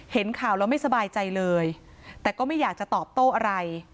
เห็นข่าวแล้วไม่สบายใจเลยแต่ก็ไม่อยากจะตอบโต้อะไร